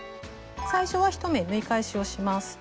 最初は１目縫い返しをします。